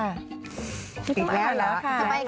ไม่ต้องอ่านแล้วค่ะ